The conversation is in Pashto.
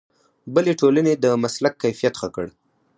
بلې ټولنې د مسلک کیفیت ښه کړ.